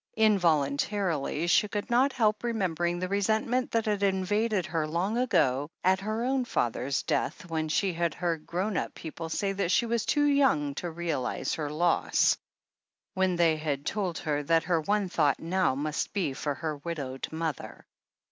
Involuntarily she could not help remembering the resentment that had invaded her long ago, at her own father's death, when she had heard grown up people say that she was too young to realize her loss, when they had told her that her one thought now must be for her widowed mother.